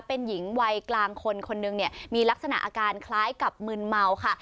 เป็นหญิงวัยกลางคนคนหนึ่งเนี่ยมีลักษณะอาการคล้ายกับมืนเมาค่ะ